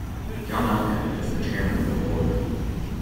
John Elkann is chairman of the board.